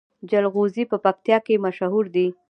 جلغوزي په پکتیا کې مشهور دي